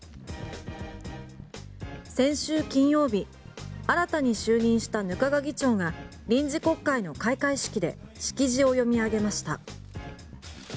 先週金曜日新たに就任した額賀議長が臨時国会の開会式で式辞を読み上げました。